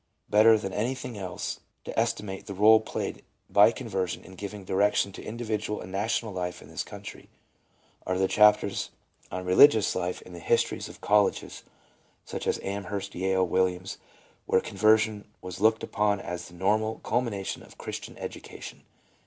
Better than any thing else to estimate the r61e played by conversion in giving direction to individual and national life in this country, are the chapters on religious life in the histories of colleges, such as Amherst, Yale, Williams, where conversion was looked upon as the normal culmination of Christian education.